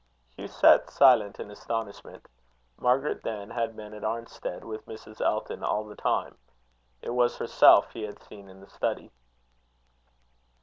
Hugh sat silent in astonishment. Margaret, then, had been at Arnstead with Mrs. Elton all the time. It was herself he had seen in the study.